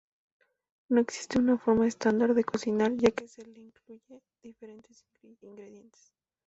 No existe una forma estándar de cocinar, ya que se le incluyen diferentes ingredientes.